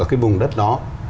ở cái vùng đất đó